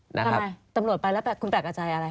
ทำไมตำรวจไปแล้วคุณแปลกกับใจอะไร